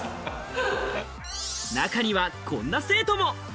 中には、こんな生徒も。